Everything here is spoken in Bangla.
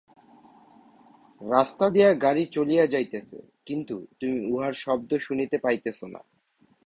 রাস্তা দিয়া গাড়ী চলিয়া যাইতেছে, কিন্তু তুমি উহার শব্দ শুনিতে পাইতেছ না।